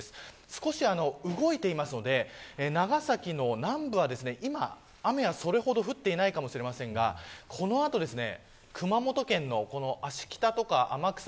少し動いていますので長崎の南部は今、雨はそれほど降っていないかもしれませんがこの後、熊本県の芦北とか天草